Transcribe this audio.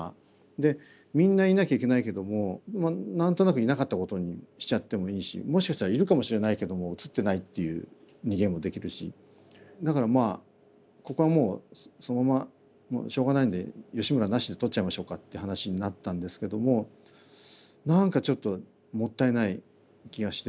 でみんないなきゃいけないけども何となくいなかったことにしちゃってもいいしもしかしたらいるかもしれないけども映ってないっていう逃げもできるしだからまあここはもうそのままもうしょうがないんで義村なしで撮っちゃいましょうかって話になったんですけども何かちょっともったいない気がして。